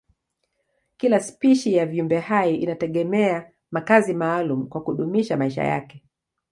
Kila spishi ya viumbehai inategemea makazi maalumu kwa kudumisha maisha yake.